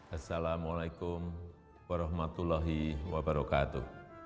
assalamu'alaikum warahmatullahi wabarakatuh